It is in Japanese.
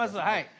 はい。